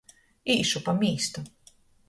Īšu pa mīstu.